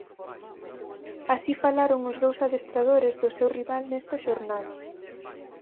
Así falaron os dous adestradores do seu rival nesta xornada.